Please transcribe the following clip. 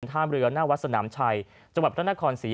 ทำเรือหน้าวัซนามชัยจังหวัดพระธุ์คอนอ่ะสิ